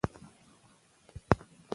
د بدن بوی د پوستکي له غدو سره تړلی دی.